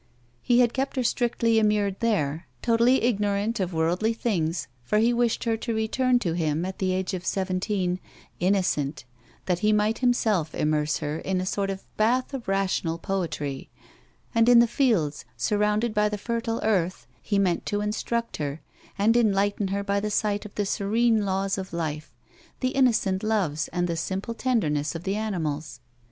He had kept her strictly immured there, totally ignorant of worldly things, for he wished her to return to him, at the age of seventeen, innocent, that he might himself immerse her in a sort of bath of rational poetry ; and, in the fields, surrounded by the fertile earth, he meant to instruct her, and enlighten her by the sight of the serene laws of life, the innocent loves and the simple tenderness of the animals.